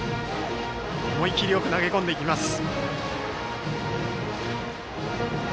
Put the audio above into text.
思い切りよく投げ込んでいきました。